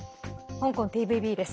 香港ＴＶＢです。